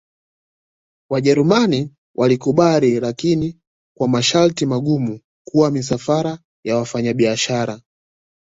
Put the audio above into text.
wajerumani walikubali lakini kwa masharti magumu kuwa misafara ya wafanya biashara